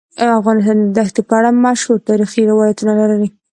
افغانستان د دښتې په اړه مشهور تاریخی روایتونه لري.